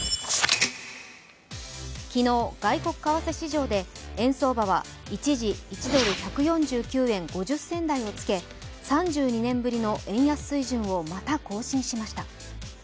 昨日、外国為替市場で円相場は、１ドル＝１４９円５０銭台をつけ３２年ぶりの円安水準をまた更新しました。